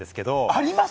あります？